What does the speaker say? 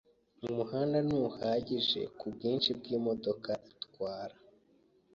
Umuhanda ntuhagije kubwinshi bwimodoka itwara.